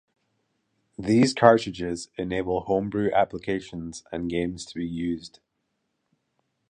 These cartridges enable homebrew applications and games to be used.